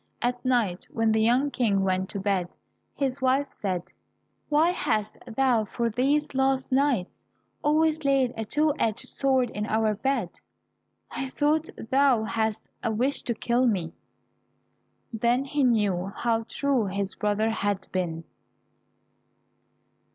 At night when the young King went to bed, his wife said, "Why hast thou for these last nights always laid a two edged sword in our bed? I thought thou hadst a wish to kill me." Then he knew how true his brother had been.